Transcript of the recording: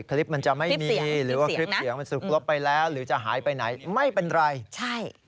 คลิปมันจะไม่มีหรือคลิปเสียงสุขลบไปแล้วหาหายไปไหนไม่เป็นไร